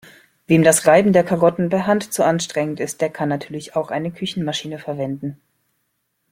Wem das Reiben der Karotten per Hand zu anstrengend ist, der kann natürlich auch eine Küchenmaschine verwenden.